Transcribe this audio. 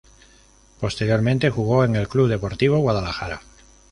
Posteriormente jugó en el Club Deportivo Guadalajara.